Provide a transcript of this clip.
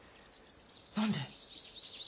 何で？